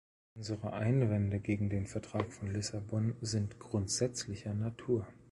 Unsere Einwände gegen den Vertrag von Lissabon sind grundsätzlicher Natur.